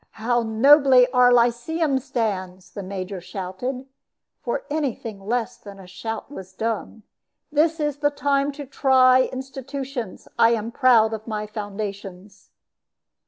"How nobly our Lyceum stands!" the Major shouted, for any thing less than a shout was dumb. "This is the time to try institutions. I am proud of my foundations."